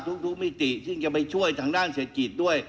มิติซึ่งจะไปช่วยทางด้านเศรษฐกิจด้วย